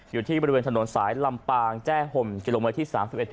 อยู่ที่บริเวณถนนสายลำปางแจ้ห่มกิโลเมตรที่๓๑